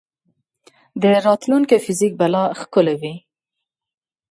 د راتلونکي فزیک به لا ښکلی وي.